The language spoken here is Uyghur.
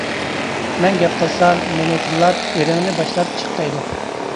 مەن گەپ قىلسام مېنى تىللاپ ئېرىڭنى باشلاپ چىق دەيدۇ.